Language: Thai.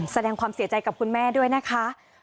แสดงความเสียใจกับคุณแม่ด้วยนะคะ